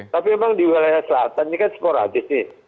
tapi memang di wilayah selatan ini kan sporadis